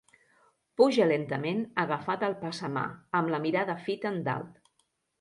Puja lentament agafat al passamà, amb la mirada fita endalt.